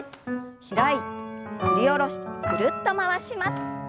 開いて振り下ろしてぐるっと回します。